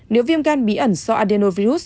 nếu viêm gan bí ẩn do adenovirus